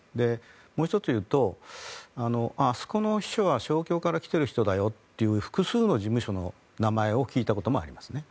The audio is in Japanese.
もう１つ言うと、あそこの秘書は勝共から来ている人だよという複数の事務所の名前を聞いたこともありますね。